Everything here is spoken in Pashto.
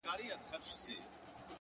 هره ورځ د نوې هیلې کړکۍ ده,